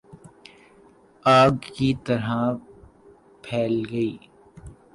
آگ کی طرح پھیل گئی